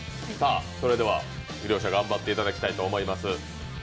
それでは、両者頑張っていただきたいと思います。